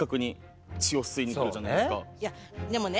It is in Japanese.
いやでもね